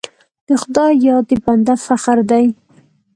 د خدای یاد د بنده فخر دی.